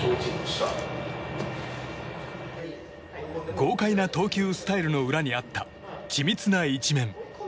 豪快な投球スタイルの裏にあった緻密な一面。